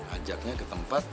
ajaknya ke tempat yaa